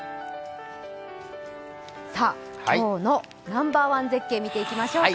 今日のナンバーワン絶景見ていきましょうか。